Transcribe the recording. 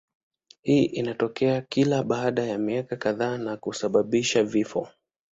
Hii inatokea kila baada ya miaka kadhaa na kusababisha vifo.